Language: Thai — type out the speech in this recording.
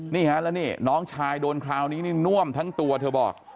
นี่ฮะแล้วนี่น้องชายโดนคราวนี้นี่น่วมทั้งตัวเธอบอก